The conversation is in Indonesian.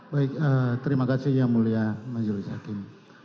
baik terima kasih yang mulia majulis hakim